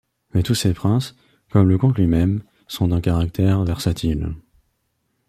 Mais tous ces princes, comme le comte lui-même, sont d'un caractère versatile.